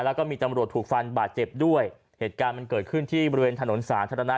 แล้วก็มีตำรวจถูกฟันบาดเจ็บด้วยเหตุการณ์มันเกิดขึ้นที่บริเวณถนนสาธารณะ